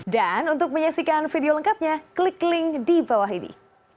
dan untuk menyaksikan video lengkapnya klik link di bawah ini